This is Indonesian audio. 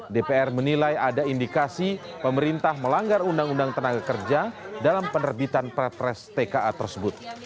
dpr menilai ada indikasi pemerintah melanggar undang undang tenaga kerja dalam penerbitan perpres tka tersebut